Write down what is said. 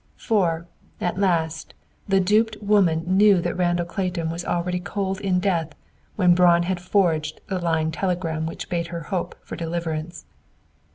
For, at last, the duped woman knew that Randall Clayton was already cold in death when Braun had forged the lying telegram which bade her hope for deliverance.